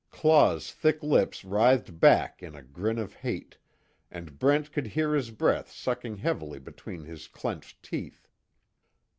Claw's thick lips writhed back in a grin of hate, and Brent could hear his breath sucking heavily between his clenched teeth.